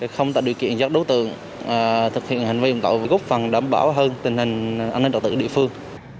không tạo điều kiện giác đối tượng thực hiện hành vi dùng tội gốc phần đảm bảo hơn tình hình an ninh đạo tự địa phương